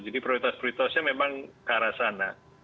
jadi prioritas prioritasnya memang ke arah sana